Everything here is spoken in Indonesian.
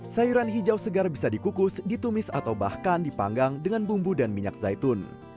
sayuran hijau segar bisa dikukus ditumis atau bahkan dipanggang dengan bumbu dan minyak zaitun